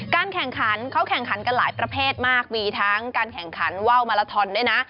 แข่งขันเขาแข่งขันกันหลายประเภทมากมีทั้งการแข่งขันว่าวมาลาทอนด้วยนะ